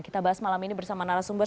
kita bahas malam ini bersama narasumber